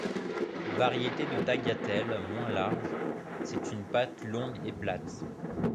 Variété de tagliatelle moins large, c'est une pâte longue et plate.